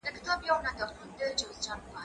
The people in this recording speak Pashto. ليکنه وکړه!.